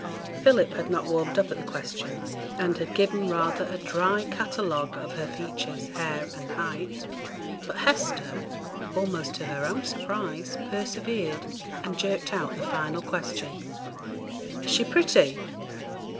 Philip had not warmed up at the question, and had given rather a dry catalogue of her features, hair, and height, but Hester, almost to her own surprise, persevered, and jerked out the final question. 'Is she pretty?'